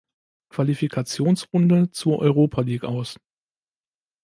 Qualifikationsrunde zur Europa League aus.